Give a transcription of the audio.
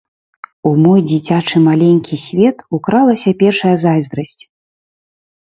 У мой дзіцячы маленькі свет укралася першая зайздрасць.